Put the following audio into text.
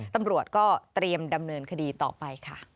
ตำรวจก็เตรียมดำเนินคดีต่อไปค่ะ